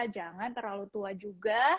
jangan terlalu tua juga